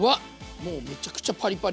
もうめちゃくちゃパリパリ。